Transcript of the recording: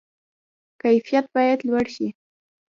کیفیت باید لوړ شي